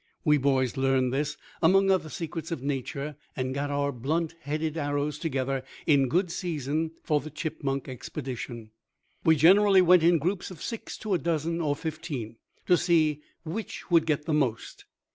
We boys learned this, among other secrets of nature, and got our blunt headed arrows together in good season for the chipmunk expedition. We generally went in groups of six to a dozen or fifteen, to see which would get the most.